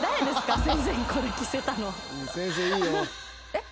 えっ？